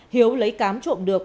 hiếu lấy cám trộm được